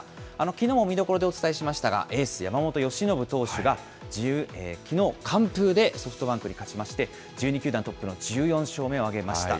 きのうも見どころでお伝えしましたが、エース、山本由伸投手がきのう、完封でソフトバンクに勝ちまして、１２球団トップの１４勝目を挙げました。